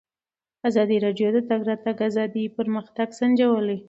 ازادي راډیو د د تګ راتګ ازادي پرمختګ سنجولی.